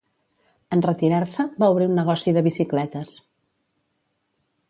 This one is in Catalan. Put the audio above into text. En retirar-se, va obrir un negoci de bicicletes.